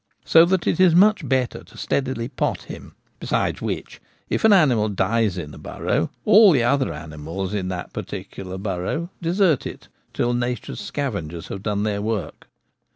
So that it is much better to steadily 'pot' him. Besides which, if a rabbit dies in a burrow all the other animals in that particular burrow desert it till nature's scavengers have done their work.